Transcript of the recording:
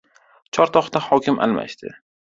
Chortoqda hokim almashdi